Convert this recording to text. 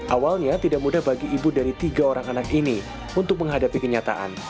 awalnya tidak mudah bagi ibu dari tiga orang anak ini untuk menghadapi kenyataan